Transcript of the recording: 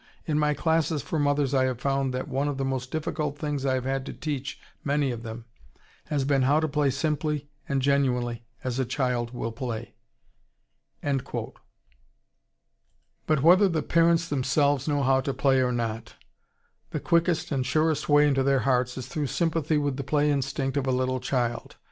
In my classes for mothers I have found that one of the most difficult things I have had to teach many of them has been how to play simply and genuinely as a child will play." But whether the parents themselves know how to play or not, the quickest and surest way into their hearts is through sympathy with the play instinct of a little child.